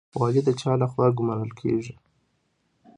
والي د چا لخوا ګمارل کیږي؟